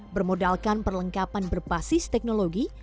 bermodalkan perlengkapan berbasis teknologi